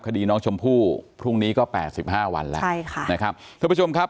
คดีน้องชมพู่พรุ่งนี้ก็แปดสิบห้าวันแล้วใช่ค่ะนะครับท่านผู้ชมครับ